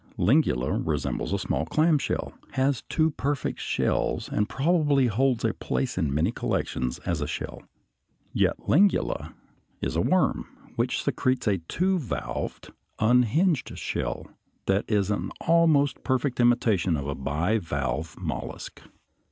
Lingula resembles a small clam shell, has two perfect shells, and probably holds a place in many collections as a shell; yet Lingula is a worm which secretes a two valved, unhinged shell, that is an almost perfect imitation of a bivalve mollusk.